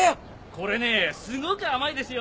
これねすごく甘いですよ。